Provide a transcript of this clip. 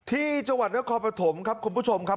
ที่จังหวัดนครปฐมครับคุณผู้ชมครับ